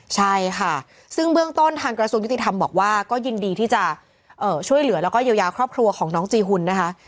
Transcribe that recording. ใช่ค่ะซึ่งเบื้องต้นทางกระทรวงยุติธรรมบอกว่าก็ยินดีที่จะช่วยเหลือแล้วก็เยียวยาครอบครัวของน้องจีหุ่นนะคะ